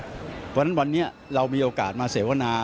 เพราะฉะนั้นวันนี้เรามีโอกาสมาเสวนา